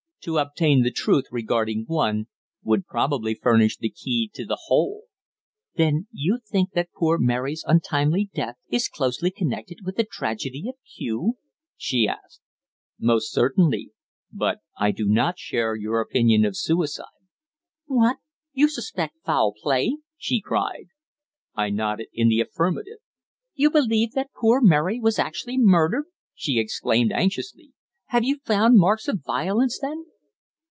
To obtain the truth regarding one would probably furnish the key to the whole." "Then you think that poor Mary's untimely death is closely connected with the tragedy at Kew?" she asked. "Most certainly. But I do not share your opinion of suicide." "What? You suspect foul play?" she cried. I nodded in the affirmative. "You believe that poor Mary was actually murdered?" she exclaimed, anxiously. "Have you found marks of violence, then?"